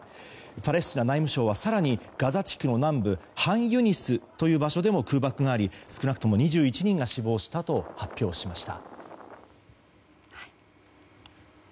パレスチナ内務省は更にガザ地区の南部ハンユニスでも空爆があり少なくとも２１人が死亡したと発表しました。